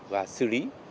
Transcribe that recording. và xử lý